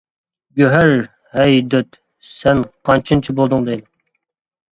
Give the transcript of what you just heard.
گۆھەر:-ھەي دۆت، سەن قانچىنچى بولدۇڭ دەيدۇ.